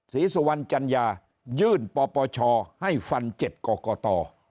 ศรีสุวรรณจัญญายื่นปปชให้ฟัน๗กรกต